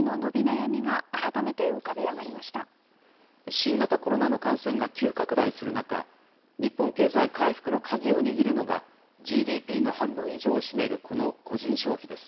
新型コロナの感染が急拡大する中、日本経済回復の鍵を握るのが、ＧＤＰの半分以上を占めるこの個人消費です。